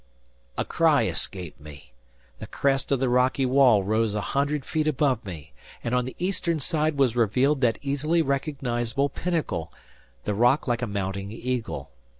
A cry escaped me! The crest of the rocky wall rose a hundred feet above me. And on the eastern side was revealed that easily recognizable pinnacle, the rock like a mounting eagle.